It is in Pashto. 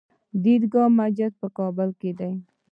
د عیدګاه جومات په کابل کې دی